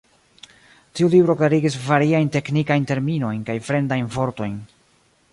Tiu libro klarigis variajn teknikajn terminojn kaj fremdajn vortojn.